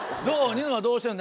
ニノはどうしてるの？